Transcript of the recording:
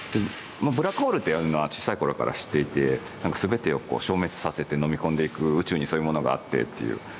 ブラックホールというのは小さい頃から知っていて全てを消滅させてのみ込んでいく宇宙にそういうものがあってっていう。